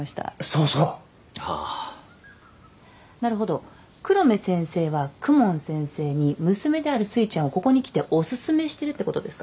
そうそうはあなるほど黒目先生は公文先生に娘であるすいちゃんをここにきてお薦めしてるってことですか？